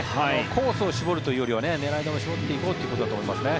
コースを絞るというよりは狙い球を絞っていこうということだと思いますね。